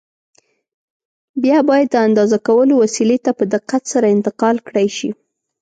بیا باید د اندازه کولو وسیلې ته په دقت سره انتقال کړای شي.